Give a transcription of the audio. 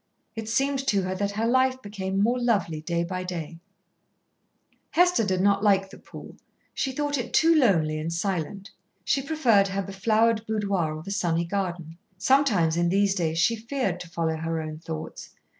It seemed to her that her life became more lovely day by day. [Illustration: Hester Osborn] Hester did not like the pool. She thought it too lonely and silent. She preferred her beflowered boudoir or the sunny garden. Sometimes in these days she feared to follow her own thoughts.